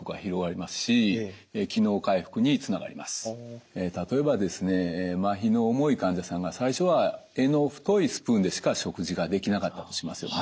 また例えばですねまひの重い患者さんが最初は柄の太いスプーンでしか食事ができなかったとしますよね。